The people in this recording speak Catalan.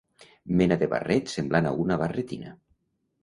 Mena de barret semblant a una barretina.